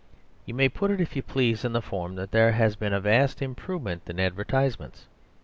You may put it, if you please, in the form that there has been a vast improvement in advertisements.